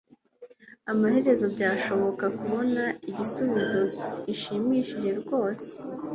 Amaherezo byashobokaga kubona igisubizo gishimishije rwose (Eldad)